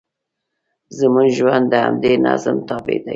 زموږ ژوند د همدې نظم تابع دی.